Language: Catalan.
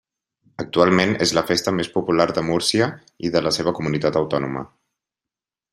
Actualment és la festa més popular de Múrcia i de la seva comunitat autònoma.